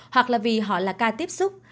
hoặc là vì họ là ca tiếp xúc